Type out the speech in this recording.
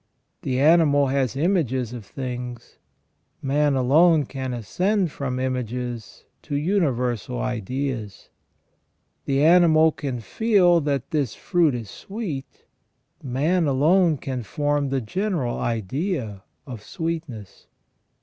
The animal has images of things, man alone can ascend from images to universal ideas ; the animal can feel that this fruit is sweet, man alone can form the general idea of sweetness.